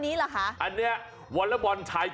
สิวะใช่